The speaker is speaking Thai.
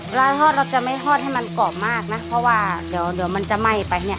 ร้านทอดเราจะไม่ทอดให้มันกรอบมากนะเพราะว่าเดี๋ยวเดี๋ยวมันจะไหม้ไปเนี่ย